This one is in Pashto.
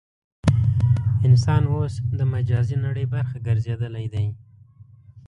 انسان اوس د مجازي نړۍ برخه ګرځېدلی دی.